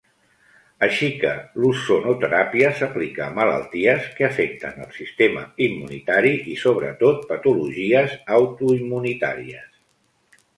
Així que l'ozonoteràpia s'aplica a malalties que afecten el sistema immunitari, i sobretot patologies autoimmunitàries.